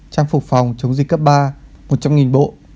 trang phục phòng chống dịch cấp ba một trăm linh bộ